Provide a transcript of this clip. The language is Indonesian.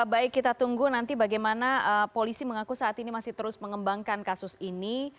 baik kita tunggu nanti bagaimana polisi mengaku saat ini masih terus mengembangkan kasus ini